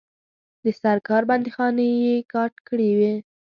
د سرکار بندیخانې یې کاټ کړي وه.